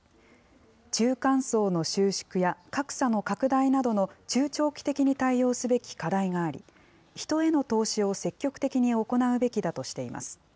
中間層の収縮や、格差の拡大などの中長期的に対応すべき課題があり、人への投資を積極的に行うべきだとしています。